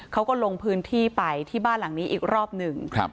เขาก็ลงพื้นที่ไปที่บ้านหลังนี้อีกรอบหนึ่ง